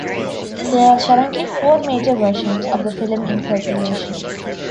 There are currently four major versions of the film in circulation.